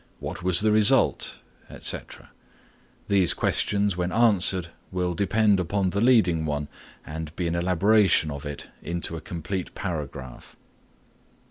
"what was the result?" etc. These questions when answered will depend upon the leading one and be an elaboration of it into a complete paragraph.